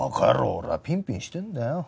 俺はピンピンしてんだよ。